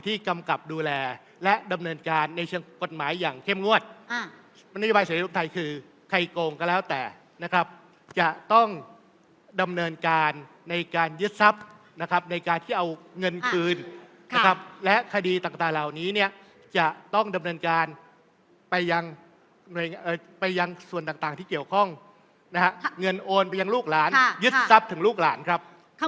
ที่กำกับดูแลและดำเนินการในเชิงกฎหมายอย่างเข้มงวดมนุษย์บริษัทฤทธิ์ไทยคือใครโกงก็แล้วแต่จะต้องดำเนินการในการยึดทรัพย์ในการที่เอาเงินคืนและคดีต่างเหล่านี้จะต้องดำเนินการไปยังส่วนต่างที่เกี่ยวข้องเงินโอนไปยังลูกหลานยึดทรัพย์ถึงลูกหลานครับ